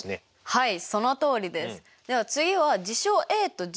はい。